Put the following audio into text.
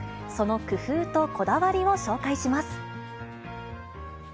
その工夫とこだわりを紹介します。